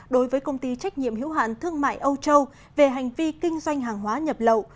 đối với công ty trách nhiệm hữu hạn thương mại âu châu về hành vi kinh doanh hàng hóa nhập lậu